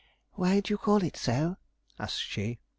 'Why do you call it so?' asked she.